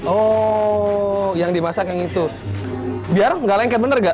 oh yang dimasak yang itu biar nggak lengket bener gak